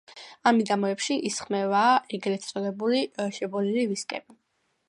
ამ მიდამოებში ისხმება ეგრეთ წოდებული შებოლილი ვისკები.